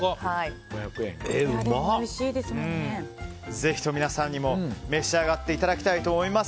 ぜひ皆さんにも召し上がっていただきたいと思います。